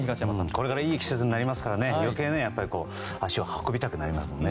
これからいい季節になりますから余計足を運びたくなりますね。